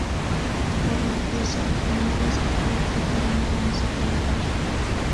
El juego empieza, primero escoger que terreno vamos a generar.